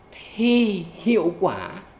thì hiệu quả